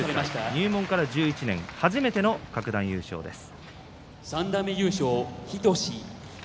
入門から１１年初めての各段優勝です。